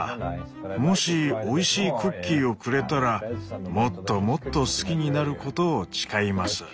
もしおいしいクッキーをくれたらもっともっと好きになることを誓います。